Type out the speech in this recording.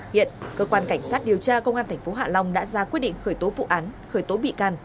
hiện cơ quan cảnh sát điều tra công an tp hạ long đã ra quyết định khởi tố vụ án